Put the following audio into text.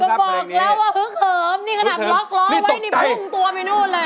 ก็บอกแล้วว่าฮึกเหิมนี่ขนาดล็อกล้อไว้นี่พุ่งตัวไปนู่นเลย